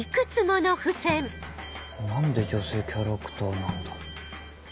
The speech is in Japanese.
何で女性キャラクターなんだろ？